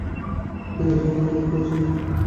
তিনি এ বিষয়ে ফতোয়া লাভ করেছিলেন।